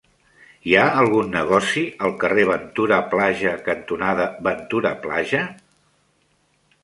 Hi ha algun negoci al carrer Ventura Plaja cantonada Ventura Plaja?